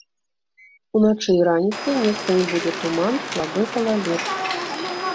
Уначы і раніцай месцамі будзе туман, слабы галалёд.